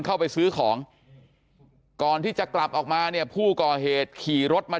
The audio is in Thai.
เข้าไปซื้อของก่อนที่จะกลับออกมาเนี่ยผู้ก่อเหตุขี่รถมา